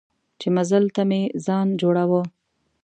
چې مزل ته مې ځان جوړاوه.